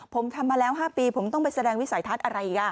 ผมทำมาแล้ว๕ปีผมต้องไปแสดงวิสัยทัศน์อะไรอีก